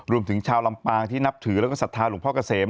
รวมถึงชาวลำปางที่นับถือแล้วก็ศรัทธาหลวงพ่อเกษม